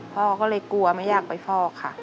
พ่อก็เลยกลัวไม่อยากไปฟอกค่ะ